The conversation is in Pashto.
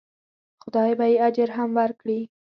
خدای به یې اجر هم ورکړي.